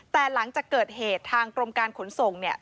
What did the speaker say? แต่หลังจากเกิดเหตุทางกรมการขนส่ง